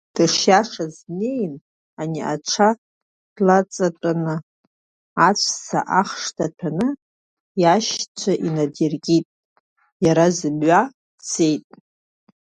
Дышиашаз днеин, ани аҽа длаҵатәан, аҵәца ахш ҭахьаны иашьцәа инадиркын, иара зымҩа дцеит.